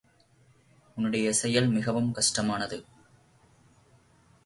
உன்னுடைய செயல் மிகவும் கஷ்டமானது.